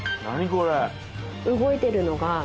これ。